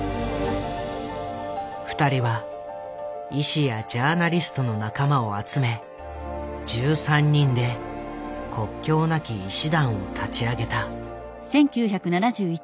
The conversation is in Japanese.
２人は医師やジャーナリストの仲間を集め１３人で国境なき医師団を立ち上げた。